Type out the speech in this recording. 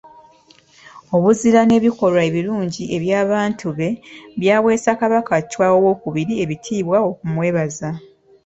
Obuzira n'ebikolwa ebirungi eby'abantu be, byaweesa Kabaka Chwa II ebitiibwa okumwebaza.